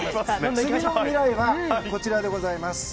次の未来はこちらでございます。